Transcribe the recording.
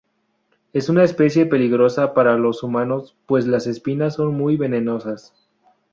Es una especie peligrosa para los humanos, pues las espinas son muy venenosas.